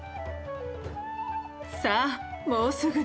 さあもうすぐです。